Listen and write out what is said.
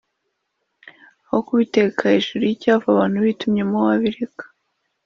aho kubiteka hejuru y’icyavu abantu bitumyemo wabireka